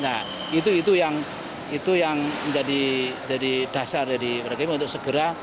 nah itu yang menjadi dasar dari presiden untuk segera